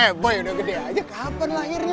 eh boy udah gede aja kapan lahirnya